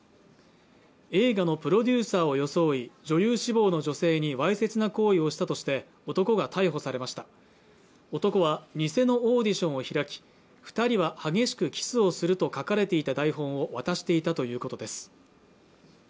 映画のプロデューサーを装い女優志望の女性にわいせつな行為をしたとして男が逮捕されました男は偽のオーディションを開き二人は激しくキスをすると書かれていた台本を渡していたということです